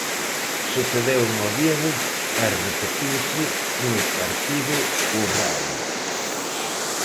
Sucedeu en Oviedo e repetiuse no partido co Raio.